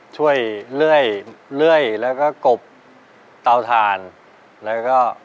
ช่วยเลื่อยเลื่อยแล้วก็กบเตาฐานแล้วก็